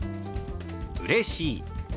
「うれしい」。